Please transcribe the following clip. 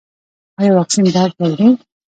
ایا واکسین درد راوړي؟